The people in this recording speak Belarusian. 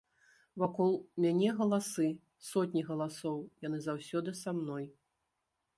Вакол мяне галасы, сотні галасоў, яны заўсёды са мной.